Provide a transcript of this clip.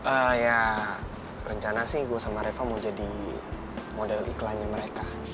oh ya rencana sih gue sama reva mau jadi model iklannya mereka